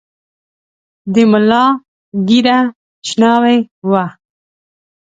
د ملا ږیره شناوۍ وه .